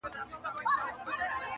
موچي ولي خبروې له خپله زوره٫